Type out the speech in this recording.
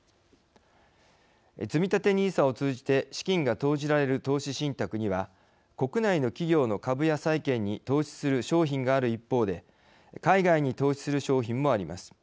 つみたてＮＩＳＡを通じて資金が投じられる投資信託には国内の企業の株や債券に投資する商品がある一方で海外に投資する商品もあります。